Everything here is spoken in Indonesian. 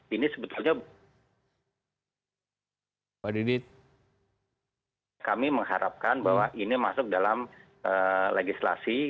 ini sebetulnya kami mengharapkan bahwa ini masuk dalam legislasi